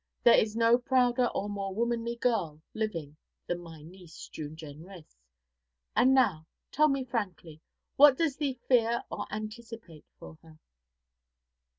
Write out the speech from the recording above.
There is no prouder or more womanly girl living than my niece, June Jenrys; and now tell me frankly, what does thee fear or anticipate for her?'